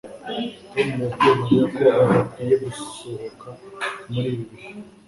tom yabwiye mariya ko adakwiye gusohoka muri ibi bihe